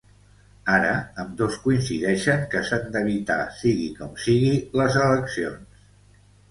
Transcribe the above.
Ara, ambdós coincideixen que s’han d’evitar sigui com sigui les eleccions.